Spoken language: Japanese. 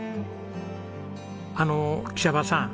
あの喜舎場さん